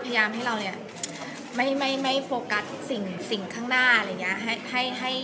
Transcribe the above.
พยายามให้เราเนี่ยไม่โฟกัสสิ่งข้างหน้าอะไรอย่างนี้